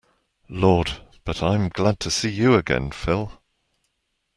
Lord, but I'm glad to see you again, Phil.